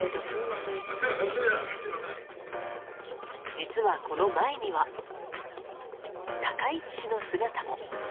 実は、この前には高市氏の姿も。